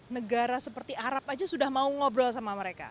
negara seperti arab aja sudah mau ngobrol sama mereka